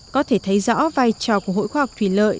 có thể thấy rõ vai trò của hội khoa học thủy lợi